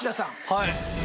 はい。